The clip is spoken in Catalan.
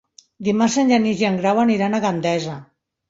Dimarts en Genís i en Grau aniran a Gandesa.